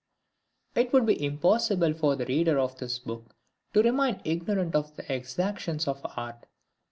It would be impossible for the reader of this book to remain ignorant of the exactions of art.